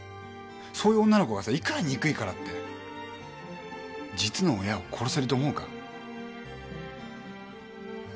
そういう女の子がさいくら憎いからって実の親を殺せると思うか？